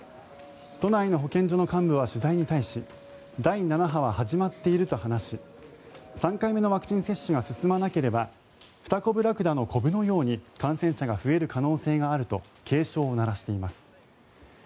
都内の保健所の幹部は取材に対し第７波は始まっていると話し３回目のワクチン接種が進まなければフタコブラクダのこぶのように感染者が増える可能性があると警鐘を鳴らしています。